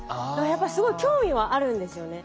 やっぱりすごい興味はあるんですよね。